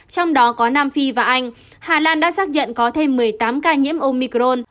trong đó có nam phi và anh hà lan đã xác nhận có thêm một mươi tám ca nhiễm omicron